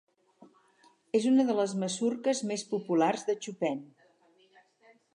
És una de les masurques més populars de Chopin.